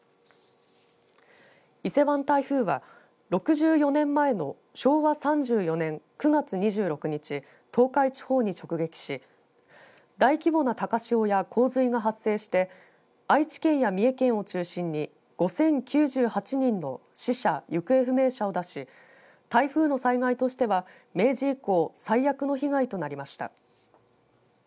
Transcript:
伊勢湾台風は６４年前の昭和３４年９月２６日東海地方に直撃し大規模な高潮や洪水が発生して愛知県や三重県を中心に５０９８人の死者、行方不明者を出し台風の災害としては明治以降最悪の被害となりました。